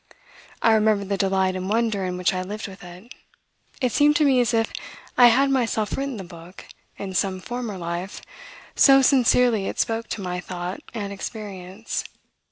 I remember the delight and wonder in which I lived with it. It seemed to me as if I had myself written the book, in some former life, so sincerely it spoke to my thought and experience.